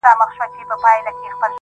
زما په یاد دي پاچا خره ته وه ویلي،